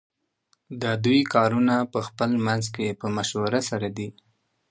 ددوی کارونه پخپل منځ کی په مشوره سره دی .